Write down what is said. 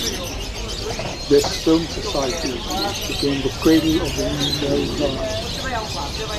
This film society became the cradle of the Nouvelle Vague.